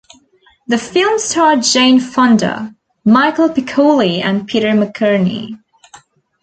The film starred Jane Fonda, Michel Piccoli and Peter McEnery.